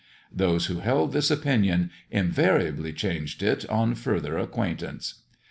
Those who held this opinion invariably changed it on further acquaintance.